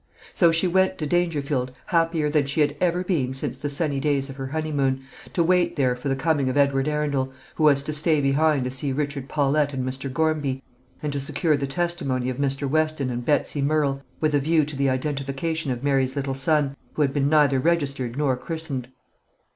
So she went to Dangerfield happier than she had ever been since the sunny days of her honeymoon, to wait there for the coming of Edward Arundel, who was to stay behind to see Richard Paulette and Mr. Gormby, and to secure the testimony of Mr. Weston and Betsy Murrel with a view to the identification of Mary's little son, who had been neither registered nor christened.